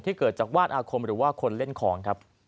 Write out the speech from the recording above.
เกิดจากวาดอาคมหรือว่าคนเล่นของครับ